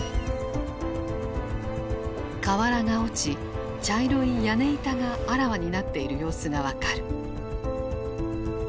瓦が落ち茶色い屋根板があらわになっている様子が分かる。